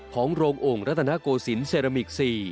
ของรัฐนาโกสินเซรามิก๔